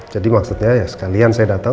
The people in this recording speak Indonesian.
jadi maksudnya sekalian saya datang